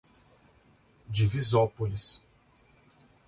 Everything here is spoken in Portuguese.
Divisópolis